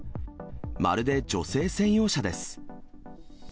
まるで女性専用車です！